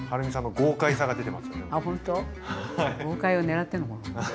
豪快をねらってるのかな。